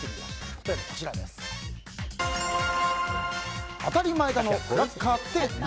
例えばあたり前田のクラッカーって何？